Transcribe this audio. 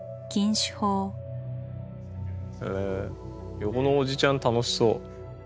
横のおじちゃん楽しそう。